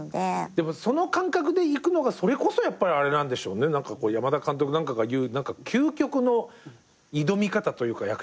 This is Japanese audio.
でもその感覚でいくのがそれこそあれなんでしょうね山田監督なんかが言う究極の挑み方というか役者としての。